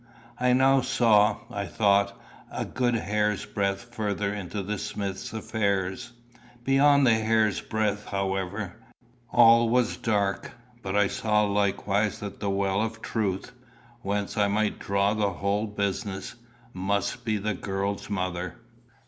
I now saw, I thought, a good hair's breadth further into the smith's affairs. Beyond the hair's breadth, however, all was dark. But I saw likewise that the well of truth, whence I might draw the whole business, must be the girl's mother.